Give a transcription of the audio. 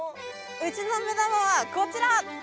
ウチの目玉はこちら！